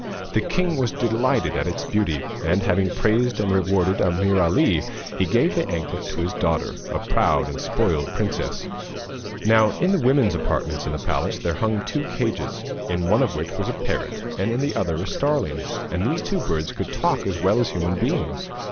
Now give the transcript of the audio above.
The king was delighted at its beauty, and having praised and rewarded Ameer Ali, he gave the anklet to his daughter, a proud and spoiled princess. Now in the women's apartments in the palace there hung two cages, in one of which was a parrot and in the other a starling, and these two birds could talk as well as human beings.